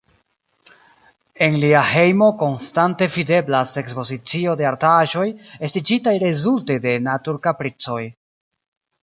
En lia hejmo konstante videblas ekspozicio de artaĵoj, estiĝintaj rezulte de naturkapricoj.